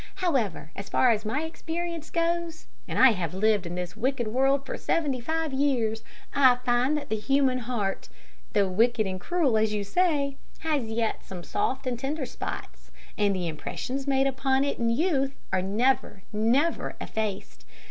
However, as far as my experience goes, and I have lived in this wicked world for seventy five years, I find that the human heart, though wicked and cruel, as you say, has yet some soft and tender spots, and the impressions made upon it in youth are never, never effaced.